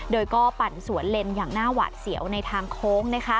โดยก็ปั่นสวนเลนอย่างหน้าหวาดเสียวในทางโค้ง